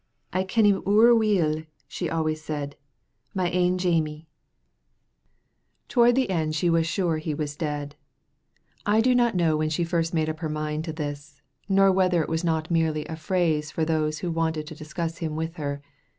"I ken 'im ower weel," she always said, "my ain Jamie." Toward the end she was sure he was dead. I do not know when she first made up her mind to this, nor whether it was not merely a phrase for those who wanted to discuss him with her.